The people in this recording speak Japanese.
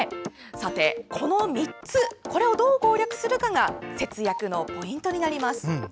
さて、この３つをどう攻略するかが節約のポイントになります。